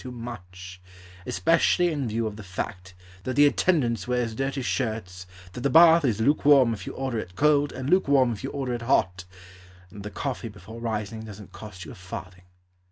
too much, Especially in view of the fact That the attendance wears dirty shirts, That the bath Is lukewarm if you order it cold And lukewarm if you order it hot; And that the coffee before rising Doesn't cost you a farthing.